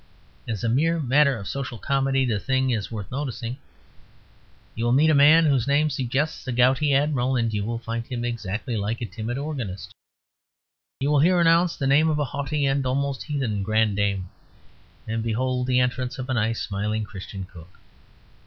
As a mere matter of social comedy, the thing is worth noticing. You will meet a man whose name suggests a gouty admiral, and you will find him exactly like a timid organist: you will hear announced the name of a haughty and almost heathen grande dame, and behold the entrance of a nice, smiling Christian cook.